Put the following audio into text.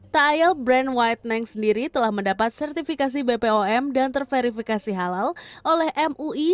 ta'ayel brand whitening sendiri telah mendapat sertifikasi bpom dan terverifikasi halal oleh mui